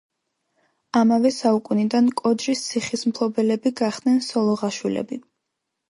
ამავე საუკუნიდან კოჯრის ციხის მფლობელები გახდნენ სოლოღაშვილები.